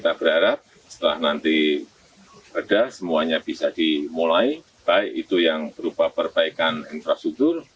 kita berharap setelah nanti reda semuanya bisa dimulai baik itu yang berupa perbaikan infrastruktur